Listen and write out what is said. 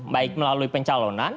baik melalui pencalonan